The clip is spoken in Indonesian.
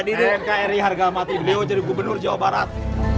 dnk ri harga mati beliau jadi gubernur jawa barat